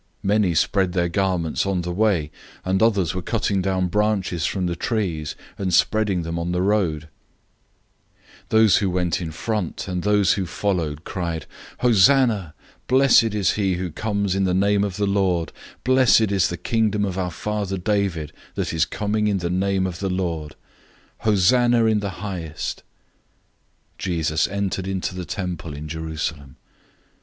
011:008 Many spread their garments on the way, and others were cutting down branches from the trees, and spreading them on the road. 011:009 Those who went in front, and those who followed, cried out, "Hosanna{"Hosanna" means "save us" or "help us, we pray."}! Blessed is he who comes in the name of the Lord!{Psalm 118:25 26} 011:010 Blessed is the kingdom of our father David that is coming in the name of the Lord! Hosanna in the highest!" 011:011 Jesus entered into the temple in Jerusalem.